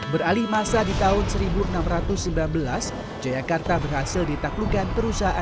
beralih masa di tahun seribu enam ratus sembilan belas jayakarta berhasil ditaklukkan perusahaan